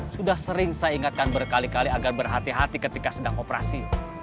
sudah sering saya ingatkan berkali kali agar berhati hati ketika sedang operasi